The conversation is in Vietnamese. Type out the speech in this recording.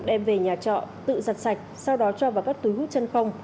tại nhà trọ tự giặt sạch sau đó cho vào các túi hút chân không